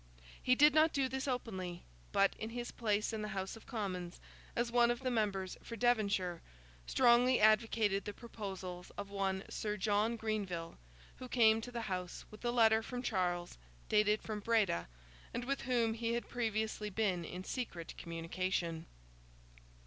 He did not do this openly; but, in his place in the House of Commons, as one of the members for Devonshire, strongly advocated the proposals of one Sir John Greenville, who came to the House with a letter from Charles, dated from Breda, and with whom he had previously been in secret communication.